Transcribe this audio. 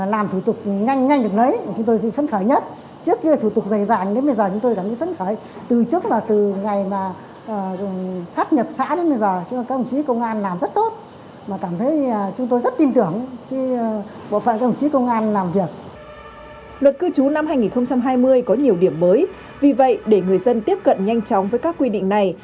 luật cư trú năm hai nghìn hai mươi có nhiều điểm mới vì vậy để người dân tiếp cận nhanh chóng với các quy định này